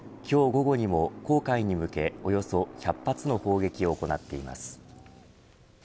午後にも黄海に向けおよそ１００発の砲撃を行っています。